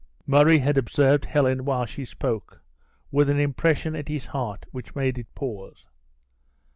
Murray had observed Helen while she spoke, with an impression at his heart that made it pause.